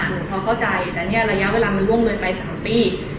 หนูเขาเข้าใจแต่ระยะเวลามันร่วมเลยไป๓ปี